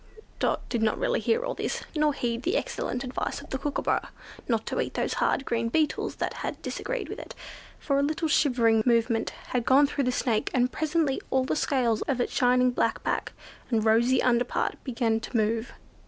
Dot did not really hear all this, nor heed the excellent advice of the Kookooburra, not to eat those hard green beetles that had disagreed with it, for a little shivering movement had gone through the Snake, and presently all the scales of its shining black back and rosy underpart began to move.